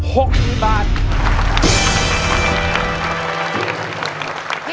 ๖หมื่นบาทค่ะ